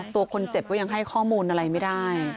ตัวคนเจ็บก็ยังให้ข้อมูลอะไรไม่ได้